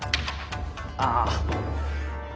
ああ。